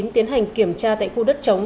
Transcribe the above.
tiến hành kiểm tra tại khu đất trống